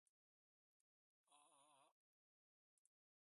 この間、バックドア攻撃に成功したんだ